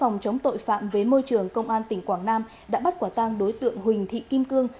phòng chống tội phạm với môi trường công an tỉnh quảng nam đã bắt quả tang đối tượng huỳnh thị kim cương